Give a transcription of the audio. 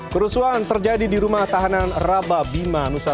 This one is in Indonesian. semoga berjaya sama sama